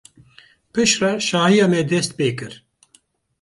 Piştre şahiya me dest pê kir.